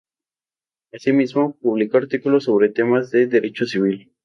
Asimismo, publicó artículos sobre temas de Derecho Civil.